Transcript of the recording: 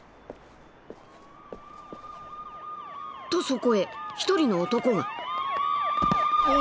［とそこへ一人の男が］